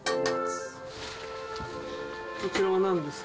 こちらはなんですか？